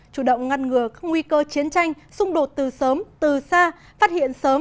chủ động ngăn ngừa các nguy cơ chiến tranh xung đột từ sớm từ xa phát hiện sớm